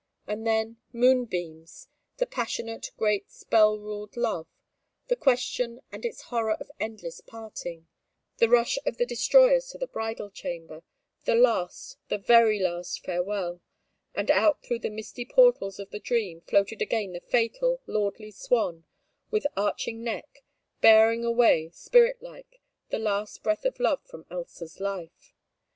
And then, moonbeams, the passionate, great, spell ruled love the question and its horror of endless parting the rush of the destroyers to the bridal chamber, the last, the very last farewell, and out through the misty portals of the dream floated again the fatal, lordly swan, with arching neck, bearing away, spirit like, the last breath of love from Elsa's life.